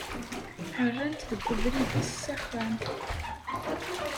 Ɛerran-t deg ubrid-is s axxam.